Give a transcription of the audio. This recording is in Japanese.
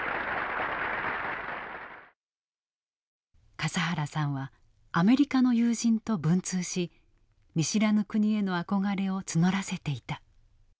笠原さんはアメリカの友人と文通し見知らぬ国への憧れを募らせていた。